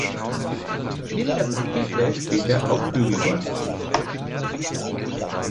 Neben der Trompete spielt er auch Flügelhorn.